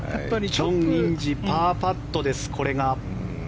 チョン・インジパーパットです、これが。